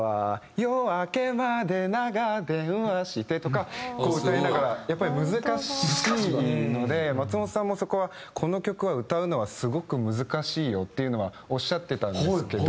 「夜明けまで長電話して」とか歌いながらやっぱり難しいので松本さんもそこは「この曲は歌うのはすごく難しいよ」っていうのはおっしゃってたんですけど。